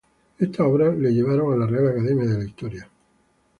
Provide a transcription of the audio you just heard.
Estas obras le llevaron a la Real Academia de la Historia.